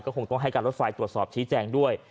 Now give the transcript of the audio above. คงต้องให้การรถไฟตรวจสอบชี้แจงด้วย